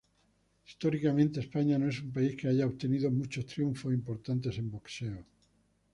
Históricamente, España no es un país que haya obtenido muchos triunfos importantes en boxeo.